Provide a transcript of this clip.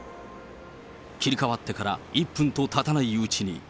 切り替わってから１分とたたないうちに。